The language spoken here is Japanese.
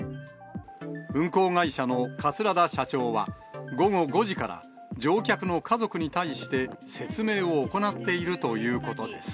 運航会社の桂田社長は、午後５時から乗客の家族に対して、説明を行っているということです。